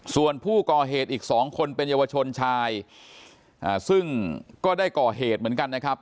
ส่วนผู้ก่อเหตุอีกสองคนเป็นเยาวชนชายซึ่งก็ได้ก่อเหตุเหมือนกันนะครับ